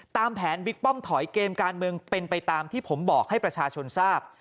ตามแผนบิ๊กป้อมถอยเกมการเมืองเป็นไปตามที่ผมบอกให้ประชาชนทราบ